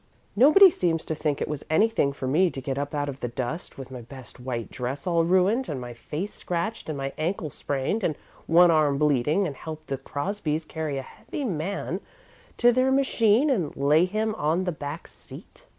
Nobody seems to think it was anything for me to get up out of the dust, with my best white dress all ruined and my face scratched and my ankle sprained and one arm bleeding, and help the Crosbys carry a heavy man to their machine and lay him on the back seat."